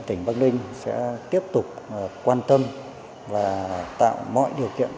tỉnh bắc ninh sẽ tiếp tục quan tâm và tạo mọi điều kiện